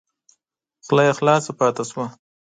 خوله یې خلاصه پاته شوه !